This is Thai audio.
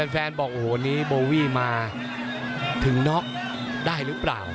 แฟนบอกโอ้โหนี้โบวี่มาถึงน็อกได้หรือเปล่า